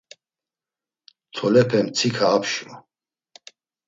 Tolepe mtsika apşu.